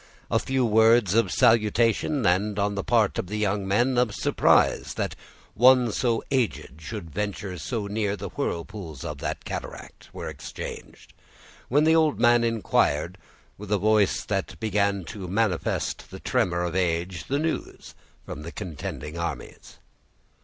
A few words of salutation, and, on the part of the young men, of surprise, that one so aged should venture so near the whirlpools of the cataract, were exchanged; when the old man inquired, with a voice that began to manifest the tremor of age, the news from the contending armies.